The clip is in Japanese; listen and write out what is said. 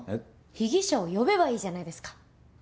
被疑者を呼べばいいじゃないですか。